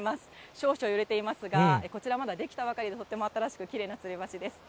少々揺れていますが、こちら、まだ出来たばかりのとっても新しくきれいなつり橋です。